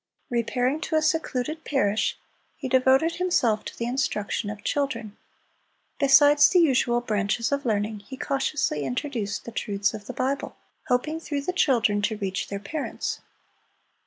Repairing to a secluded parish, he devoted himself to the instruction of children. Besides the usual branches of learning, he cautiously introduced the truths of the Bible, hoping through the children to reach their parents.